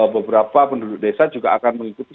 beberapa penduduk desa juga akan mengikuti